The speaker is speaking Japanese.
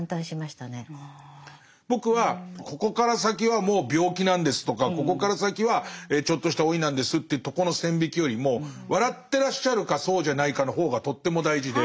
僕はここから先はもう病気なんですとかここから先はちょっとした老いなんですっていうとこの線引きよりも笑ってらっしゃるかそうじゃないかの方がとっても大事で。